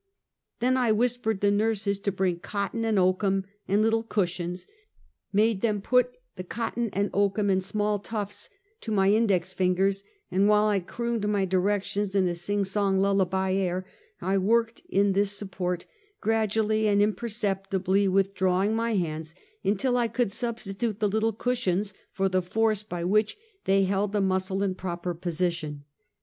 Then I whispered the nurses to bring cotton and oakum, and little cushions; made them put the cotton and oakum, in small tufts, to my index fingers; and while I crooned my directions in a sing song lullaby air, I worked in this support, gradually and imper ceptibly withdrawing my hands, until I could sub stitute the little cushions for the force by which, they held the muscle in proper position.